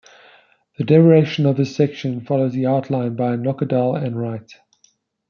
The derivation of this section follows the outline by Nocedal and Wright.